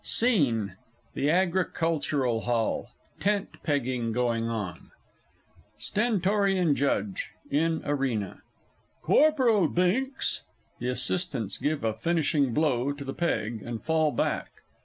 SCENE The Agricultural Hall. Tent pegging going on. STENTORIAN JUDGE (in Arena). Corporal Binks! (_The Assistants give a finishing blow to the peg, and fall back.